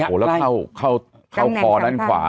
ก็อย่างที่เขาบอกว่า